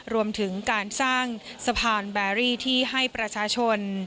รวมถึงการสร้างสะพานแบรี่ที่ให้ประชาชน